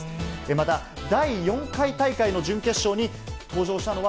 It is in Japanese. また、第４回大会の準決勝に登場したのは